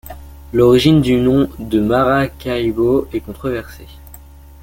L'origine du nom de Maracaibo est controversée.